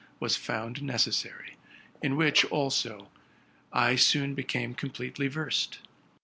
was found necessary, in which, also, I soon became completely versed.